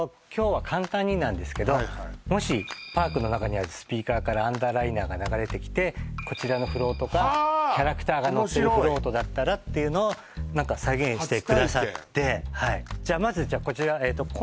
今日は簡単になんですけどもしパークの中にあるスピーカーからアンダーライナーが流れてきてこちらのフロートがキャラクターが乗ってるフロートだったらっていうのを何か再現してくださって初体験はいじゃあまずじゃあこちらえっと